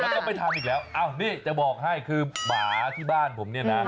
แล้วก็ไม่ทำอีกแล้วอ้าวนี่จะบอกให้คือหมาที่บ้านผมเนี่ยนะ